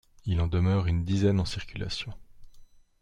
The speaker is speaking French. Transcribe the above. Il en demeure une dizaine en circulation.